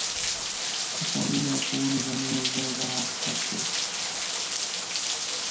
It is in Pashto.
خوشالي لارښوونه ده نه یو ځای دا حقیقت دی.